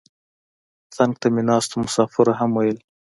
څنګ ته مې ناستو مسافرو هم ویل.